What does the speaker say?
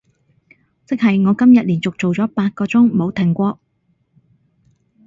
即係我今日連續做咗八個鐘冇停過